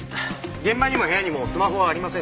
現場にも部屋にもスマホはありませんでした。